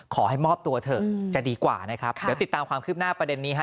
ขอให้มอบตัวเถอะจะดีกว่านะครับเดี๋ยวติดตามความคืบหน้าประเด็นนี้ฮะ